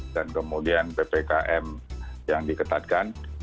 dan kemudian ppkm yang diketatkan